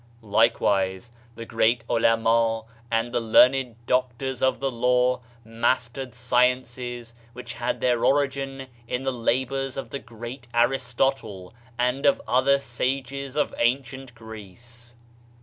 Likewise, the great ulama and the learned doctors of the law mastered sciences which had their origin in the labors of the great Aristotle and of other sages of ancient Greece.